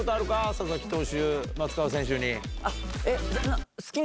佐々木投手松川選手に。